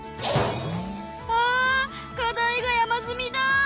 あ課題が山積みだ。